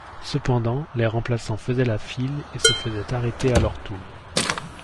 Cependant, les remplaçants faisaient la file et se faisaient arrêter à leur tour.